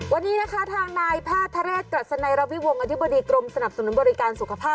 วันนี้นะคะทางนายแพทย์ทะเรศกรัศนัยระวิวงศบดีกรมสนับสนุนบริการสุขภาพ